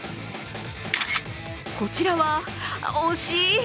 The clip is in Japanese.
こちらは、惜しい！